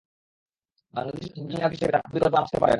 বাংলাদেশের অভ্যুদয়ের নায়ক হিসেবে তাঁর কোনো বিকল্প নাম আসতে পারে না।